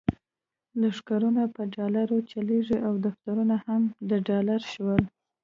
لښکرونه په ډالرو چلیږي او دفترونه هم د ډالر شول.